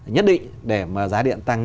nhất định để mà giá điện tăng